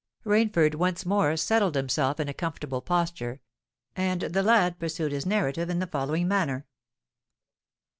Rainford once more settled himself in a comfortable posture; and the lad pursued his narrative in the following manner.